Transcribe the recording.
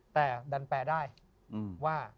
แต่ดันแปลได้ว่า